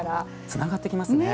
つながってきますね。